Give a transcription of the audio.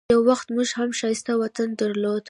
یو وخت موږ هم ښایسته وطن درلود.